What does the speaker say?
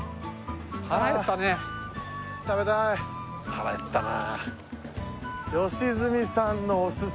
腹減ったな